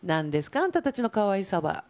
あんたたちのかわいさは。